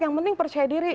yang penting percaya diri